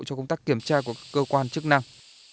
cho công tác kiểm tra của cơ quan chức năng